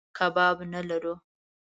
کباب نه لرو.